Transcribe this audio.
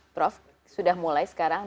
prof sudah mulai sekarang